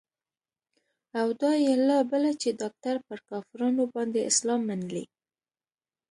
او دا يې لا بله چې ډاکتر پر کافرانو باندې اسلام منلى.